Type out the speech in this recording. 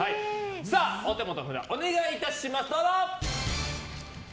お手元の札、お願いいたします。